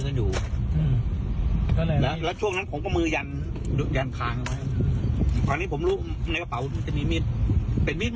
ผมผู้บอกข้อบนกบ่อยแต่นั้นผมคอยเมียผมขอ